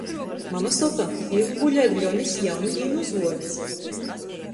Mama soka — Ivbule ir Ļonis jaunu dīnu uzvuords.